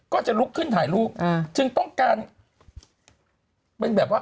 ก็จะลุกขึ้นถ่ายรูปจึงต้องการเป็นแบบว่า